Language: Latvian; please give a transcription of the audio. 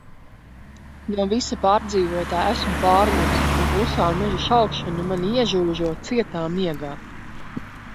No visa pārdzīvotā esmu pārguris un klusā meža šalkšana mani iežūžo cietā miegā.